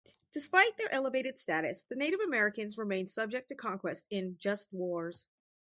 Despite their elevated status, the Native Americans remained subject to conquest in "just wars".